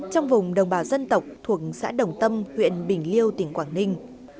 trong vùng đồng bào dân tộc thuộc xã đồng tâm huyện bình liêu tỉnh quảng ninh